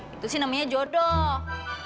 itu sih namanya jodoh